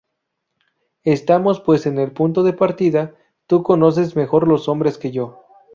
Estamos pues en el punto de partida, tú conoces mejor los hombres que yo.